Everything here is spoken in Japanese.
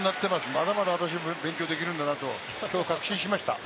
まだまだ勉強できるんだなと、きょう確信しました。